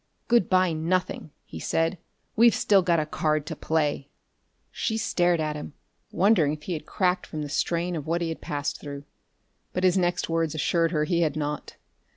"Good by, nothing!" he cried. "We've still got a card to play!" She stared at him, wondering if he had cracked from the strain of what he had passed through. But his next words assured her he had not.